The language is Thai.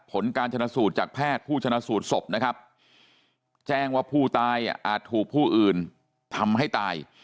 ผลการชนะสูตรจากแพทย์ผู้ชนะสูตรศพนะครับแจ้งว่าผู้ตายอาจถูกผู้อื่นทำให้ตาย